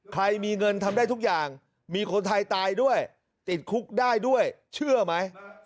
ใครมีเงินทำได้ทุกอย่างมีคนไทยตายด้วยติดคุกได้ด้วยเชื่อไหม